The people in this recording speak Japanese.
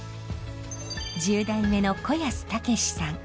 １０代目の子安丈士さん。